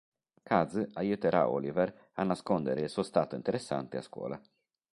Kaz aiuterà Oliver a nascondere il suo "stato interessante" a scuola.